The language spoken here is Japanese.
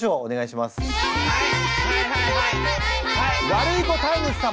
ワルイコタイムス様。